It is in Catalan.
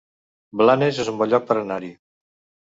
Blanes es un bon lloc per anar-hi